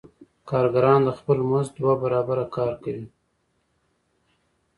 کارګران د خپل مزد دوه برابره کار کوي